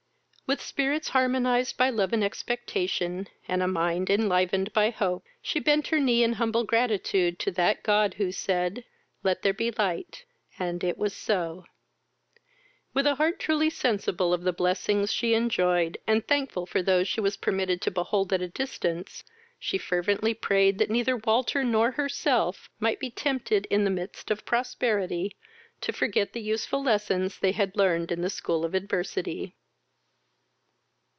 With spirits harmonized by love and expectation, and a mind enlivened by hope, she bent her knee in humble gratitude to that God who said, "Let there be light, and it was so," With a heart truly sensible of the blessings she enjoyed, and thankful for those she was permitted to behold at a distance, she fervently prayed that neither Walter nor herself might be tempted, in the midst of prosperity to forget the useful lessons they had learned in the school of adversity.